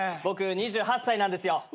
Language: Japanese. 僕２８歳なんですよ。